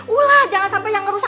ulah jangan sampai yang ngerusak